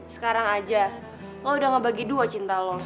sekarang aja lo udah ngebagi dua cinta lo